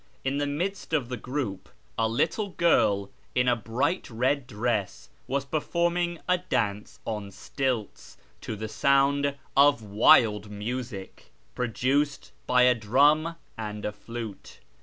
In the midst of the group a little girl, in a bright red dress, was performing a dance on stilts, to the sound of wild music, produced by a drum and a flute.